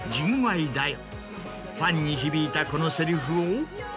ファンに響いたこのセリフを。